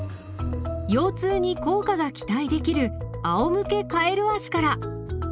腰痛に効果が期待できる「あおむけカエル脚」から。